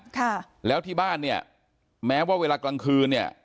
ค่ะแล้วที่บ้านเนี่ยแม้ว่าเวลากลางคืนเนี่ย